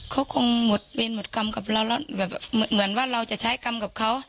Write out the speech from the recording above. เขาคงหมดเวรหมดกรรมกับเราแล้วแบบเหมือนว่าเราจะใช้กรรมกับเขา